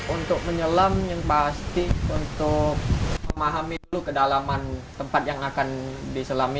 untuk menyelam yang pasti untuk memahami dulu kedalaman tempat yang akan diselami